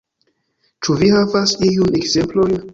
Ĉu vi havas iujn ekzemplojn?